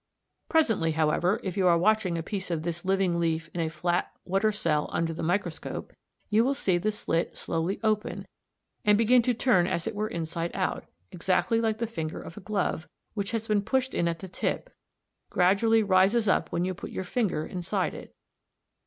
Presently, however, if you are watching a piece of this living leaf in a flat water cell under the microscope, you will see the slit slowly open, and begin to turn as it were inside out, exactly like the finger of a glove, which has been pushed in at the tip, gradually rises up when you put your finger inside it.